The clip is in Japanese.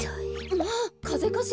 まあかぜかしら。